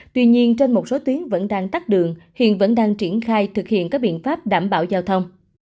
tuy nhiên trên một số tuyến vẫn đang tắt đường hiện vẫn đang triển khai thực hiện các biện pháp đảm bảo giao thông